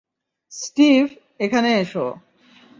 Steve, এখানে এসো।